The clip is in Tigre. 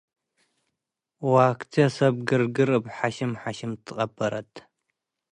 ዋ’ክቴ ሰብ ግርግር - እብ ሐሽም-ሐሽም ትቃበረት